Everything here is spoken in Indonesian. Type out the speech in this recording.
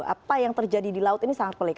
apa yang terjadi di laut ini sangat pelik